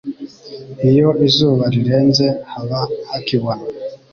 iyo izuba rirenze haba hakibona